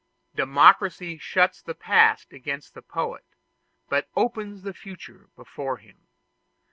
Democracy shuts the past against the poet, but opens the future before him.